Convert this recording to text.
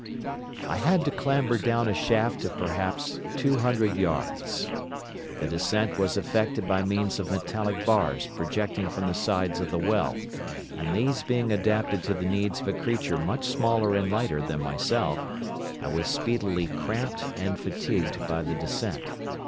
"I had to clamber down a shaft of perhaps two hundred yards. The descent was effected by means of metallic bars projecting from the sides of the well, and these being adapted to the needs of a creature much smaller and lighter than myself, I was speedily cramped and fatigued by the descent.